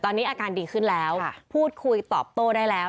ตอนนี้อาการดีขึ้นแล้วพูดคุยตอบโต้ได้แล้ว